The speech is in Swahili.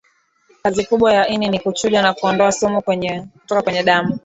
kazi kubwa ya ini ni kuchuja na kuondoa sumu kutoka kwenye damu